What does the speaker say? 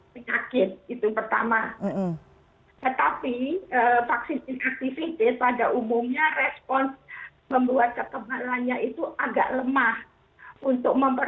vaksin sinovac ini atau coronavac itu isinya apa